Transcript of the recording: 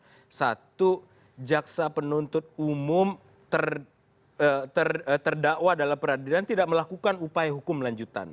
yang satu jaksa penuntut umum terdakwa dalam peradilan tidak melakukan upaya hukum lanjutan